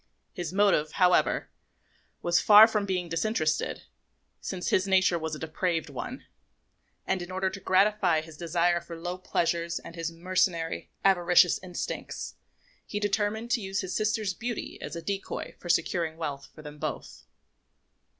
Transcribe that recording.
His motive, however, was far from being disinterested, since his nature was a depraved one; and in order to gratify his desire for low pleasures and his mercenary, avaricious instincts, he determined to use his sister's beauty as a decoy for securing wealth for them both.